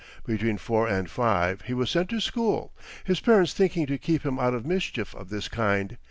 Between four and five he was sent to school, his parents thinking to keep him out of mischief of this kind.